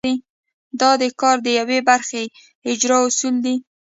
دا د کار د یوې برخې اجرا اصول دي.